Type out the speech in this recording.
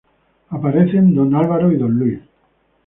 Aparecen Don Álvaro y Don Luis.